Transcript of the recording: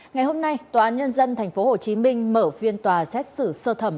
ngày hôm nay tòa án nhân dân tp hcm mở phiên tòa xét xử sơ thẩm